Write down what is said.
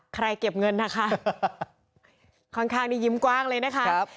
เก็บเงินนะคะค่อนข้างที่ยิ้มกว้างเลยนะคะ